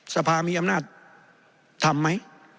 สภามีอำนาจทำไหม